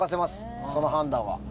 その判断は。